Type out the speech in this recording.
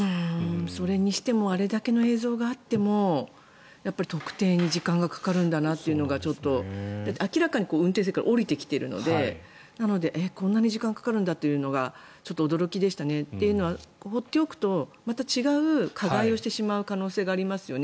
それにしてもあれだけの映像があっても特定に時間がかかるんだなというのが明らかに運転席から降りてきているのでなので、こんなに時間がかかるんだっていうのが驚きでしたね。というのは、放っておくとまた違う加害をしてしまう可能性がありますよね。